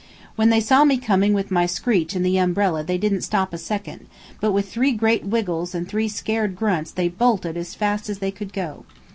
When they saw me coming with my screech and the umbrella they didn't stop a second, but with three great wiggles and three scared grunts they bolted as fast as they could go.